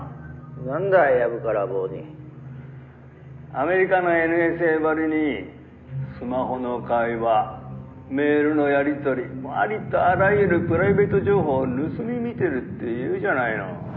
「アメリカのＮＳＡばりにスマホの会話メールのやり取りもうありとあらゆるプライベート情報を盗み見てるっていうじゃないの」